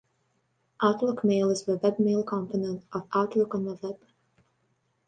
Outlook Mail is the webmail component of Outlook on the web.